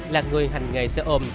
là người hành nghề xe ôm